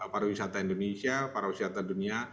para wisata indonesia para wisata dunia